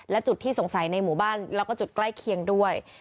และจุดที่สงสัยในหมู่บ้านแล้วก็จุดใกล้เคียงด้วย